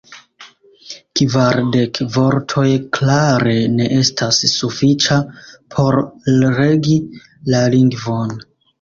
Kvardek vortoj klare ne estas sufiĉa por regi la lingvon.